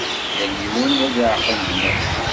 Yal yiwen ad iεqel gma-s